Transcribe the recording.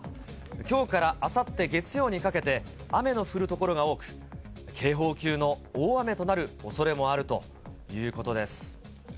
きょうからあさって月曜にかけて雨の降る所が多く、警報級の大雨となるおそれもあるということです。